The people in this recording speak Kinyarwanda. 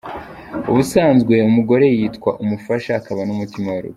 Ubusanzwe umugore yitwa umufasha, akaba na mutima w’urugo.